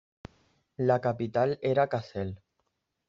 La capital era Kassel.